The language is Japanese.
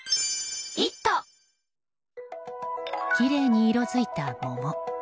きれいに色づいた桃。